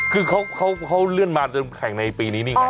คือเขาเลื่อนมาจะแข่งในปีนี้นี่ไง